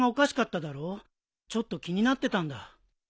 ちょっと気になってたんだ。